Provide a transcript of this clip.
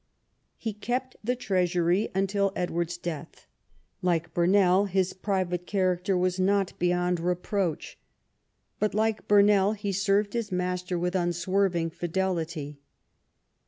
He kept the treasury until Edward's death. Like that of Burnell, his private character was not beyond reproach ; but, like Burnell, he served his master with unswerving fidelity.